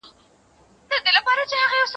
اوس رستم غوندي ورځم تر كندوگانو